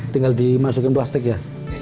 tinggal dimasukin plastik ya